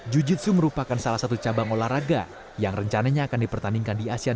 jiu jitsu merupakan salah satu cabang olahraga yang rencananya akan dipertandingkan di asean